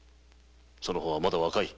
そちはまだ若い。